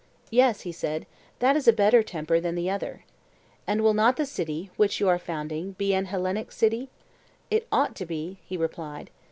Yes, he said, that is a better temper than the other. And will not the city, which you are founding, be an Hellenic city? It ought to be, he replied.